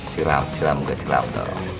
siram siram gua siram dong